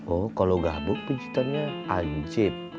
oh kalau gabuk pijitannya anjib